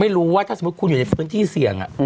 ไม่รู้ว่าถ้าสมมุติคุณอยู่ในพื้นที่เสี่ยง